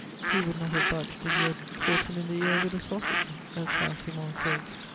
He would not have budged if you had "caught him in the ear with a sausage," as Saint Simon says.